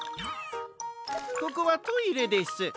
ここはトイレです。